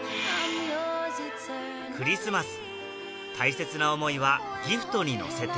クリスマス大切な思いはギフトに乗せて